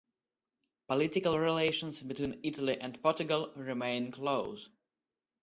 Political relations between Italy and Portugal remain close.